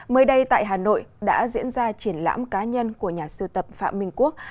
mới đây tại hà nội đã diễn ra triển lãm cá nhân của nhà siêu tập phạm minh quốc